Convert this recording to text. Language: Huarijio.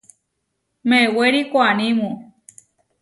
Mewéri koanímu.